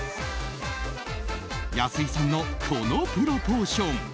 安井さんの、このプロポーション。